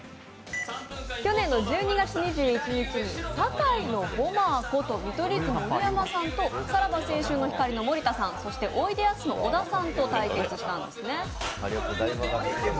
去年の１２月２１日、堺の爆弾魔こと見取り図・盛山さんとさらば青春の光の森田さん、おいでやすの小田さんと対決したんですね。